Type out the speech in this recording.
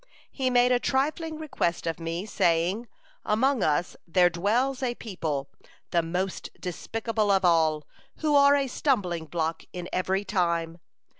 He made a trifling request of me, saying: 'Among us there dwells a people, the most despicable of all, who are a stumbling block in every time.